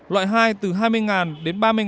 loại hai từ hai mươi đến ba mươi đồng